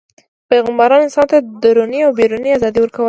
پیغمبران انسانانو ته دروني او بیروني ازادي ورکوله.